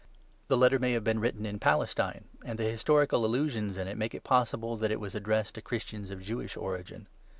The Letter may have been written in Palestine ; and the historical allusions in it make it possible that it was addressed to Christians of Jewish origin.